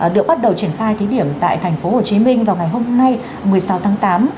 được bắt đầu triển khai thí điểm tại tp hcm vào ngày hôm nay một mươi sáu tháng tám